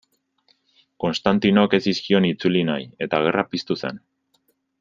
Konstantinok ez zizkion itzuli nahi, eta gerra piztu zen.